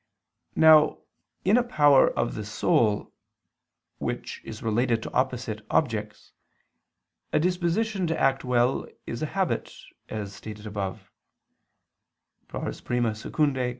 Now, in a power of the soul, which is related to opposite objects, a disposition to act well is a habit, as stated above (I II, Q.